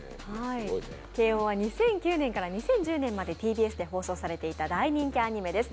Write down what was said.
「けいおん！」は２００９年から２０１０年までＴＢＳで放送されていた大人気アニメです。